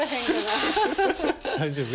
大丈夫。